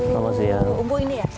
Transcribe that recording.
yang umbu ini ya